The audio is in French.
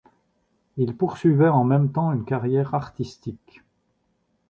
Il poursuivait en même temps une carrière artistique.